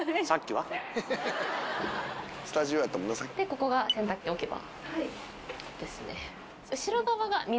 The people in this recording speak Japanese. ここが洗濯機置き場ですね。